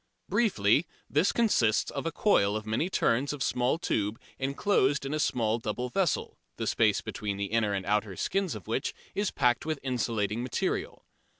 Briefly, this consists of a coil of many turns of small tube enclosed in a small double vessel, the space between the inner and outer skins of which is packed with insulating material.